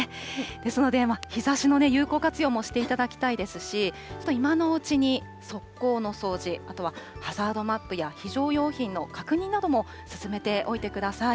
ですので、日ざしの有効活用をしていただきたいですし、ちょっと今のうちに側溝の掃除、あとはハザードマップや非常用品の確認なども進めておいてください。